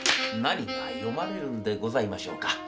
何が読まれるんでございましょうか。